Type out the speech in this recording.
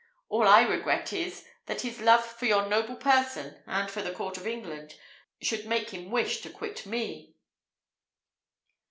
All I regret is, that his love for your noble person, and for the court of England, should make him wish to quit me.